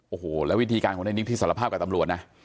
โอ้โหแล้ววิธีการของในนิกที่สารภาพกับตำรวจนะ